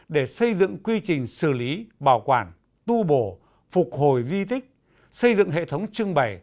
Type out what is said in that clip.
để xây dựng quy trình xử lý bảo quản tu bổ phục hồi di tích xây dựng hệ thống trưng bày